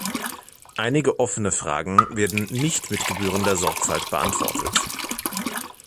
Einige offene Fragen werden nicht mit gebührender Sorgfalt beantwortet.